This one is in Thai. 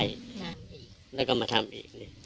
กินโทษส่องแล้วอย่างนี้ก็ได้